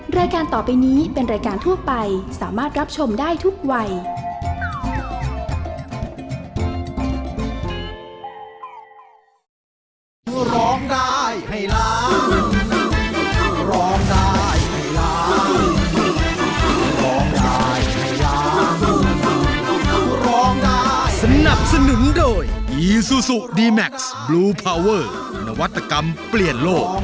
รายการต่อไปนี้เป็นรายการทั่วไปสามารถรับชมได้ทุกวัย